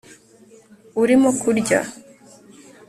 Urimo kurya